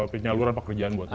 penyaluran pekerjaan buat dia